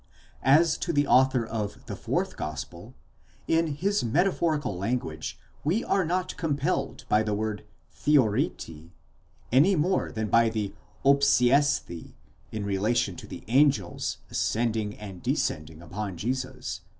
As to the author of the fourth gospel,—in his metaphorical language, we are not compelled by the word θεωρῆτε, any more than by the ὄψεσθε in relation to the angels ascending and descending upon Jesus, i.